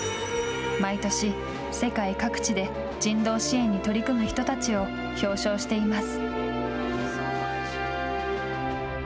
毎年、世界各地で人道支援に取り組む人たちを表彰しています。